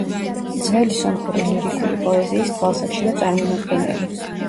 ძველი სომხური ლირიკული პოეზიის თვალსაჩინო წარმომადგენელი.